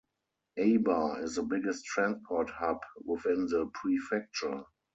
Aba is the biggest transport hub within the prefecture.